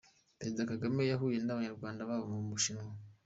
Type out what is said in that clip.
Perezida Kagame yahuye n’Abanyarwanda baba mu Bushinwa